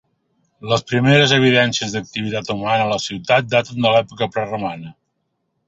Les primeres evidències d'activitat humana a la ciutat daten de l'època preromana.